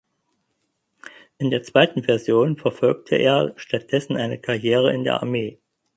In der zweiten Version verfolgte er stattdessen eine Karriere in der Armee.